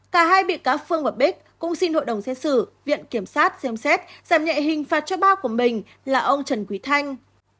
cả hai bị cáo phương và bích cũng xin hội đồng xét xử viện kiểm sát xem xét giảm nhẹ hình phạt cho ba của mình là ông trần quý thanh